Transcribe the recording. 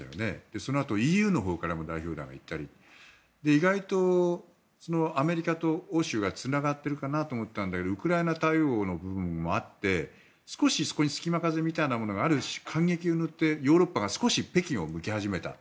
そのあとＥＵのほうから代表団が行ったり意外とアメリカと欧州がつながっているかなと思ったらウクライナ対応の部分もあって少しそこに隙間風みたいなものがあって間隙を縫ってヨーロッパが少し北京を向き始めた。